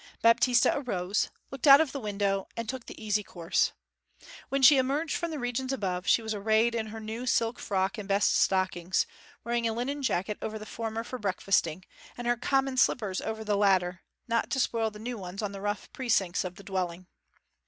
Baptista arose, looked out of the window, and took the easy course. When she emerged from the regions above she was arrayed in her new silk frock and best stockings, wearing a linen jacket over the former for breakfasting, and her common slippers over the latter, not to spoil the new ones on the rough precincts of the dwelling.